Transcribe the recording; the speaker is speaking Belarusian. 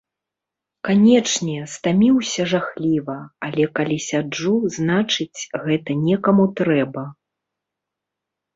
Канечне, стаміўся жахліва, але калі сяджу, значыць, гэта некаму трэба.